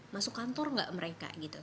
masuk kantor nggak mereka